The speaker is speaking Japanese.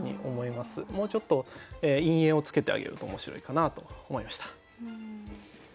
もうちょっと陰影をつけてあげると面白いかなと思いました。